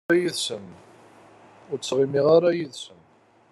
Ur ttɣimiɣ ara yid-sen.